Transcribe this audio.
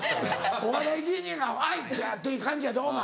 お笑い芸人が「はい！」っていう感じやでお前。